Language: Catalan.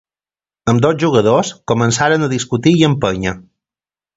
Ambdós jugadors començaren a discutir i empènyer.